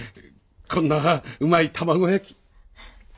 こんなうまい卵焼き。